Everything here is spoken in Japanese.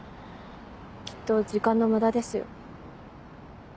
きっと時間の無駄ですよ。